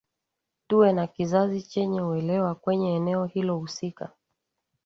tuwe na kizazi chenye uelewa kwenye eneo hilo husika